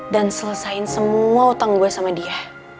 dan selesain semua utang gue sama dia